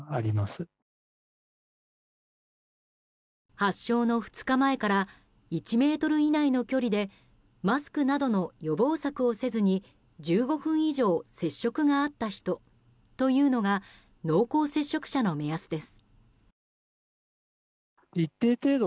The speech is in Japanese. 発祥の２日前から１ｍ以内の距離でマスクなどの予防策をせずに１５分以上接触があった人というのが濃厚接触者の目安です。